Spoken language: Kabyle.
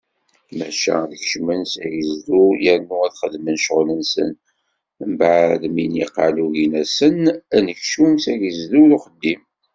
Maca ad kecmen s agezdu yernu ad xedmen ccɣel-nsen, mbeɛd mi niqal ugin-asen anekcum s agezdu d uxeddim.